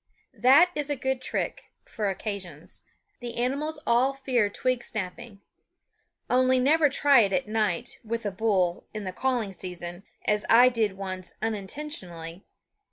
That is a good trick, for occasions. The animals all fear twig snapping. Only never try it at night, with a bull, in the calling season, as I did once unintentionally.